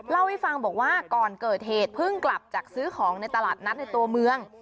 เล่าให้ฟังบอกว่าก่อนเกิดเหตุเพิ่งกลับจากซื้อของในตลาดนัดในตัวเมือง